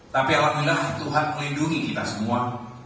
tapi alhamdulillah tuhan melindungi kita semua